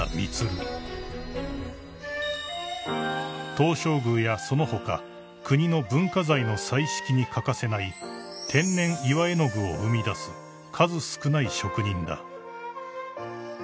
［東照宮やその他国の文化財の彩色に欠かせない天然岩絵の具を生みだす数少ない職人だ］